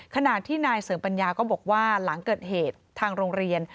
ขณะที่นายเสริมปัญญาก็บอกว่าหลังเกิดเหตุทางโรงเรียน